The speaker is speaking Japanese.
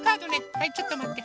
はいちょっとまって。